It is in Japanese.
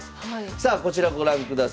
さあこちらご覧ください。